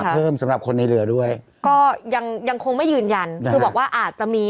สำหรับคนในเรือด้วยก็ยังยังคงไม่ยืนยันคือบอกว่าอาจจะมี